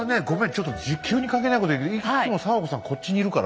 ちょっと急に関係ないこと言うけどいつも佐和子さんこっちにいるからさ。